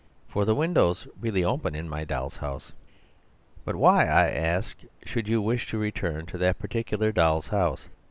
For the windows really open in my doll's house.' "'But why?' I asked, 'should you wish to return to that particular doll's house?